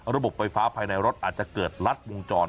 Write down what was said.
ระบบไฟฟ้าภายในรถอาจจะเกิดลัดวงจร